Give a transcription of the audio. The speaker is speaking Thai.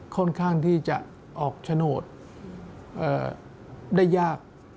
ค่อนข้างที่จะออกโฉนดได้ยาก